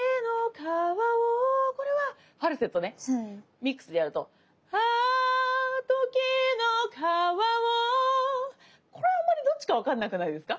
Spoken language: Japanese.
ミックスでやるとああときのかわをこれあんまりどっちか分かんなくないですか？